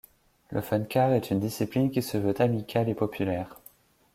Le fun-car est une discipline qui se veut amicale et populaire.